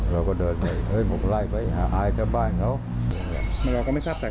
ของวัดไม่ยุ่งเกี่ยว